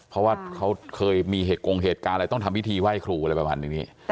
เพราะว่าเขาเคยมีเหตุกงเหตุการณ์อะไรต้องทำพิธีไหว้ครูอะไรประมาณอย่างนี้